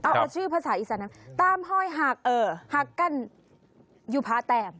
เอาละชื่อภาษาอีสานั้นตามหอยหักกันอยู่ผาแต้ม